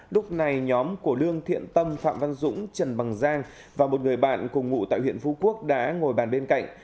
lúc này nhóm của lương thiện tâm phạm văn dũng trần bằng giang và một người bạn cùng ngụ tại huyện phú quốc đã ngồi bàn bên cạnh